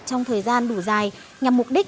trong thời gian đủ dài nhằm mục đích